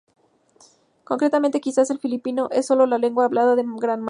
Concretamente, quizás el filipino es sólo la lengua hablada en Gran Manila.